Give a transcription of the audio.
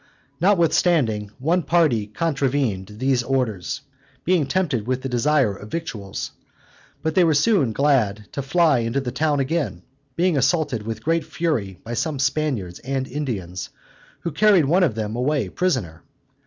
Notwithstanding, one party contravened these orders, being tempted with the desire of victuals: but they were soon glad to fly into the town again, being assaulted with great fury by some Spaniards and Indians, who carried one of them away prisoner.